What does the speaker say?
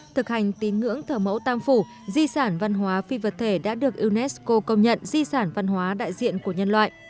thực hành tín ngưỡng thờ mẫu tam phủ di sản văn hóa phi vật thể đã được unesco công nhận di sản văn hóa đại diện của nhân loại